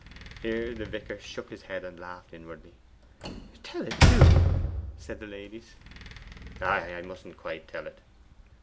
Here the vicar shook his head and laughed inwardly. 'Tell it do!' said the ladies. 'I mustn't quite tell it.